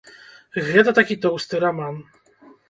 Гэта такі тоўсты раман.